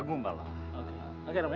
kita lihat itu ke biang ya